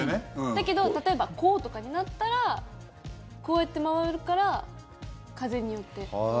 だけど例えば、こうとかになったらこうやって回るから風によって。